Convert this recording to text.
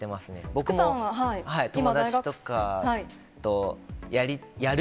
僕も、友達とかとやる？